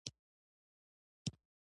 تاریخ سره د پام کولو ویلې دي.